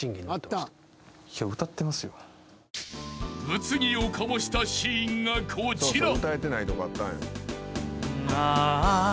［物議を醸したシーンがこちら］